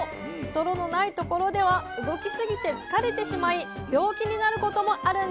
泥のない所では動きすぎて疲れてしまい病気になることもあるんです。